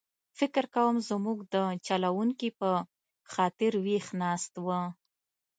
فکر کووم زموږ د چلوونکي په خاطر ویښ ناست و.